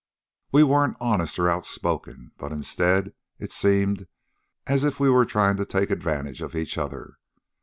We weren't honest or outspoken, but instead it seemed as if we were trying to take advantage of each other.